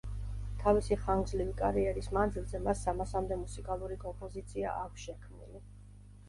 თავისი ხანგრძლივი კარიერის მანძილზე მას სამასამდე მუსიკალური კომპოზიცია აქვს შექმნილი.